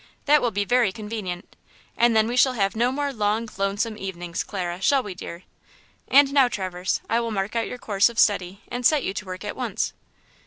That will be very convenient; and then we shall have no more long, lonesome evenings, Clara, shall we, dear? And now, Traverse, I will mark out your course of study and set you to work at once."